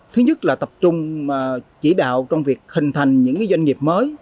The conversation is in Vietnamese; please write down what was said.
thứ nhất là tập trung chỉ đạo trong việc hình thành những doanh nghiệp mới